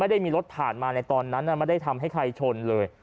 ได้มีรถผ่านมาในตอนนั้นไม่ได้ทำให้ใครชนเลย